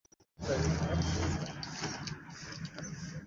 ntushobora gupfa neza